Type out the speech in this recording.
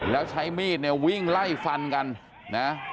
แล้วใช้มีดเนี่ยวิ่งไล่ฟันกันนะ